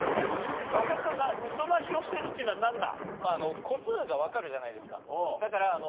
阿部君「うそなきを防ぐ」っていうのは何だ？